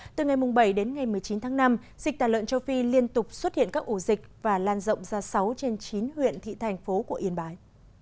từ ngày bảy đến ngày một mươi chín tháng năm dịch tà lợn châu phi liên tục xuất hiện các ổ dịch và lan rộng ra sáu trên chín huyện thị thành phố của yên bái